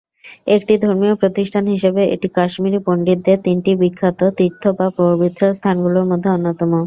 একটি ধর্মীয় প্রতিষ্ঠান হিসাবে, এটি কাশ্মীরী পন্ডিতদের তিনটি বিখ্যাত "তীর্থ" বা পবিত্র স্থানগুলির মধ্যে অন্যতম।